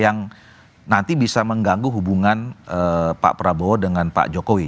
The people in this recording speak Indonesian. yang nanti bisa mengganggu hubungan pak prabowo dengan pak jokowi